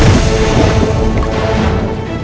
ada apa dengan pedang ini